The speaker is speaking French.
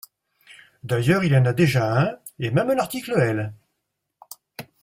D’ailleurs, il y en a déjà un, et même un article L.